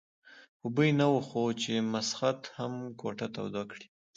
په بوی نه وو خو چې مسخد هم کوټه توده کړي.